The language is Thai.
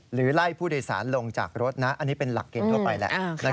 หรือไล่ผู้โดยสารลงจากรถนะอันนี้เป็นหลักเกณฑ์ทั่วไปแหละ